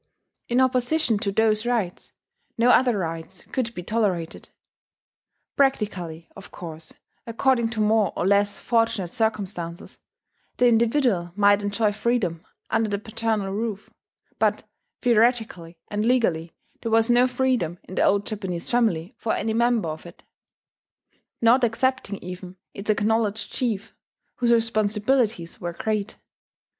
In opposition to those rights, no other rights could be tolerated. Practically, of course, according to more or less fortunate circumstances, the individual might enjoy freedom under the paternal roof; but theoretically and legally there was no freedom in the old Japanese family for any member of it, not excepting even its acknowledged chief, whose responsibilities were great.